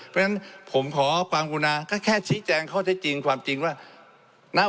เพราะฉะนั้นผมขอความกรุณาก็แค่ชี้แจงข้อเท็จจริงความจริงว่านะ